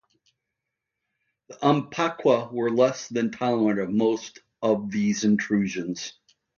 The Umpqua were less than tolerant of most of these intrusions.